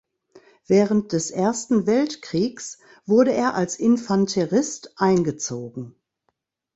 Während des Ersten Weltkriegs wurde er als Infanterist eingezogen.